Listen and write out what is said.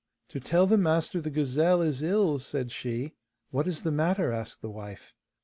'To tell the master the gazelle is ill,' said she. 'What is the matter?' asked the wife.